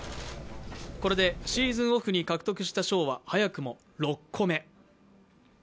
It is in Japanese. これで、シーズンオフに獲得した賞は早くも６個目。